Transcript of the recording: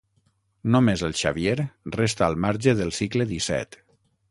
Només el Xavier resta al marge del cicle disset.